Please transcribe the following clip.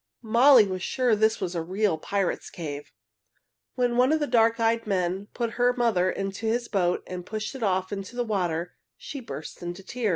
Molly was sure this was a real pirates' cave. When one of the dark eyed men put her mother into his boat and pushed it off into the water, she burst into tears.